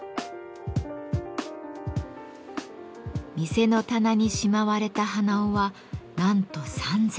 店の棚にしまわれた鼻緒はなんと３，０００。